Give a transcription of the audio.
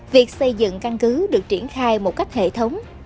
việc xây dựng căn cứ được triển khai một cách hệ thống